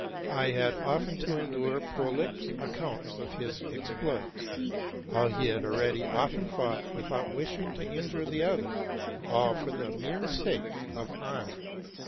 I had often to endure prolix accounts of his exploits, — how he had already often fought, without wishing to injure the other, all for the mere sake of honor.